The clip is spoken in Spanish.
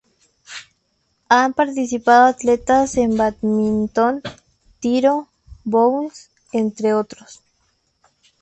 Han participado atletas en bádminton, tiro, bowls, entre otros.